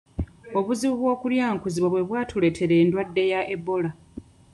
Obuzibu bw'okulyankuzibwa bwe bwatuleetera endwadde ya Ebola.